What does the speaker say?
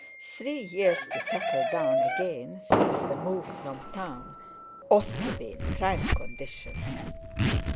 Three years to settle down again since the move from Town—ought to be in prime condition!